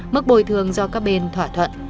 mức bồi thường do các bên thỏa thuận